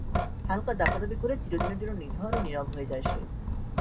হাল্কা দাপাদাপি করে চিরদিনের জন্য নিথর ও নীরব হয়ে যায় সে।